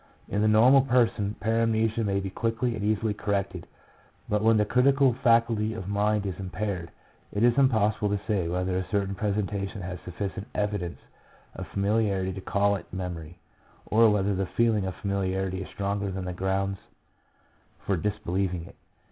In the normal person paramnesia may be quickly and easily corrected, but when the critical faculty of mind is impaired, it is impossible to say whether a certain presentation has sufficient evidence of familiarity to call it memory, or whether the feeling of familiarity is stronger than the grounds for disbelieving it.